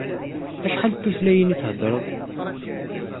Acḥal n tutlayin i theddṛeḍ?